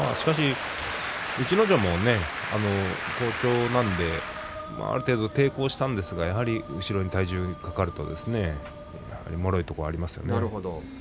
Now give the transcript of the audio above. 逸ノ城も好調なんである程度、抵抗したんですがやはり後ろに体重がかかるともろいところがありますね。